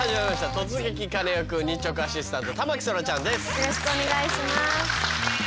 よろしくお願いします。